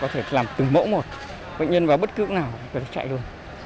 thì làm từng mẫu một bệnh nhân vào bất cứ chỗ nào thì nó chạy luôn